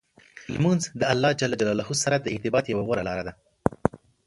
لمونځ د الله جل جلاله سره د ارتباط یوه غوره لار ده.